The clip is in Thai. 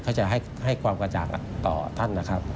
เขาจะให้ความกระจ่างต่อท่าน